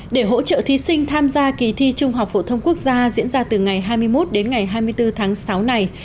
để hỗ trợ thí sinh tham gia kỳ thi trung học phổ thông quốc gia diễn ra từ ngày hai mươi một đến ngày hai mươi bốn tháng sáu này